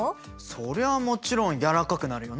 そりゃもちろん軟らかくなるよね。